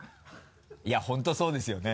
いや本当そうですよね。